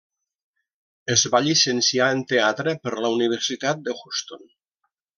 Es va llicenciar en teatre per la Universitat de Houston.